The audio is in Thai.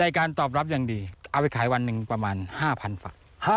การตอบรับอย่างดีเอาไปขายวันหนึ่งประมาณ๕๐๐ฝัก